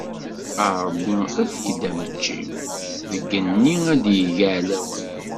A Ṛebbi efk-d ameččim, deg yigenni ad yegg iɛlawen.